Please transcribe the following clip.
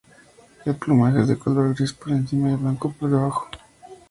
El plumaje es de color gris por encima y blanco por debajo.